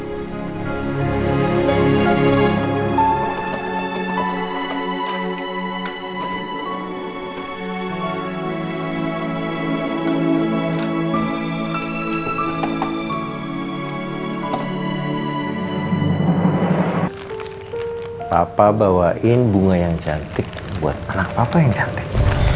hai papa bawain bunga yang cantik buat anak papa yang cantik